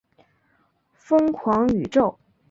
疯狂宇宙